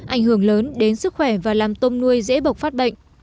ảnh hưởng lớn đến sức khỏe và làm tôm nuôi dễ bộc phát bệnh